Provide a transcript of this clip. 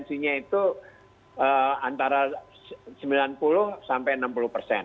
kondisinya itu antara sembilan puluh sampai enam puluh persen